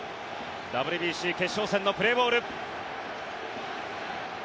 ＷＢＣ決勝戦のプレーボール。